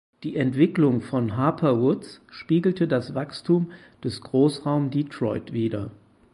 Die Entwicklung von Harper Woods spiegelte das Wachstum des Großraums Detroit wider.